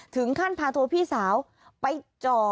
ถึงขั้นพาโทรพี่สาวไปจ่อ